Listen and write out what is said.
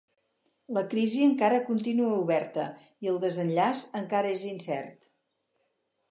La crisi encara continua oberta i el desenllaç encara és incert.